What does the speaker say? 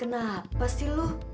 kenapa sih lu